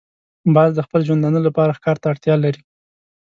باز د خپل ژوندانه لپاره ښکار ته اړتیا لري